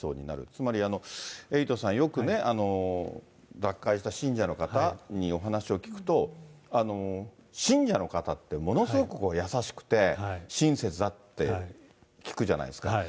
つまりエイトさん、よくね、脱会した信者の方にお話を聞くと、信者の方ってものすごく優しくて、親切だって聞くじゃないですか。